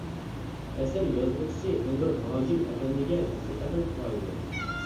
ئەسەر يازغۇچىسى ئەنۋەر ھاجىم ئەپەندىگە ھەقىقەتەن قايىلمەن!